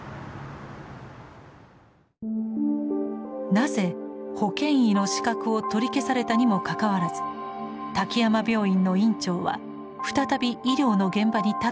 なぜ保険医の資格を取り消されたにもかかわらず滝山病院の院長は再び医療の現場に立っているのでしょうか？